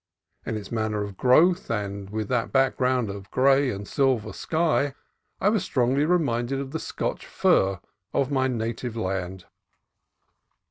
In its manner of growth, and with that background of gray and silver sky, I was strongly reminded of the Scotch fir of my native land.